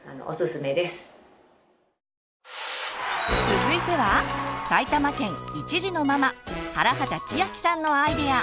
続いては埼玉県１児のママ原畠千晃さんのアイデア！